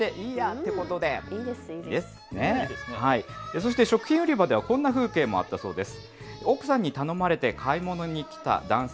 そして食品売り場ではこんな風景もあったそうです。